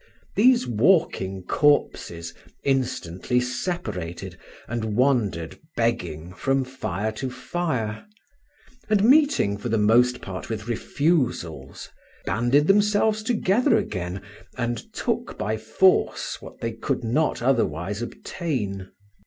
These walking corpses instantly separated, and wandered begging from fire to fire; and meeting, for the most part, with refusals, banded themselves together again, and took by force what they could not otherwise obtain.